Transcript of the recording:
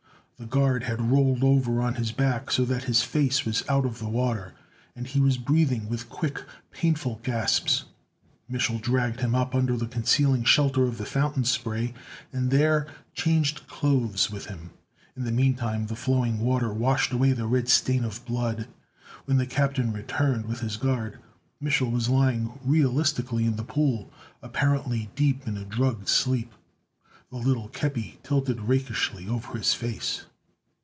The guard had rolled over on his back, so that his face was out of the water, and he was breathing with quick, painful gasps. Mich'l dragged him up under the concealing shelter of the fountain spray, and there changed clothes with him. In the meantime the flowing water washed away the red stain of blood. When the captain returned with his guard, Mich'l was lying realistically in the pool, apparently deep in drugged sleep, the little kepi tilted rakishly over his face.